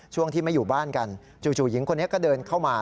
ช่วงที่ไม่อยู่บ้านกันจู่หญิงคนนี้ก็เดินเข้ามา